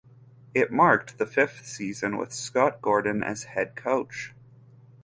It marked the fifth season with Scott Gordon as head coach.